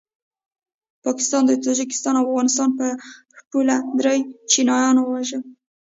پاکستان د تاجکستان او افغانستان پر پوله دري چینایان ووژل